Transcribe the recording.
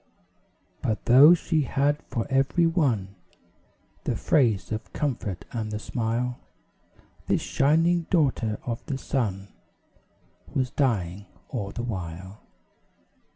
But though she had for every one The phrase of comfort and the smile, This shining daughter of the sun Was dying all the while.